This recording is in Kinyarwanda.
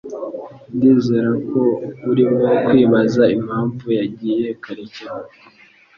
Ndizera ko urimo kwibaza impamvu yagiye kare cyane.